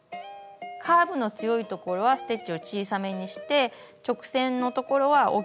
カーブの強いところはステッチを小さめにして直線のところは大きめにしてもいいですね。